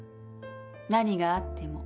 何があっても。